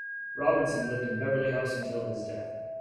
Robinson lived in Beverley House until his death.